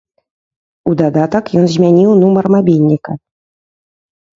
У дадатак ён змяніў нумар мабільніка.